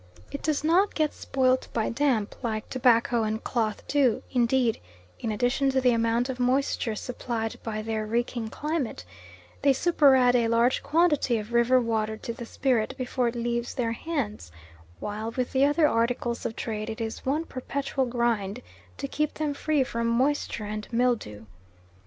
It does not get spoilt by damp, like tobacco and cloth do; indeed, in addition to the amount of moisture supplied by their reeking climate, they superadd a large quantity of river water to the spirit before it leaves their hands, while with the other articles of trade it is one perpetual grind to keep them free from moisture and mildew.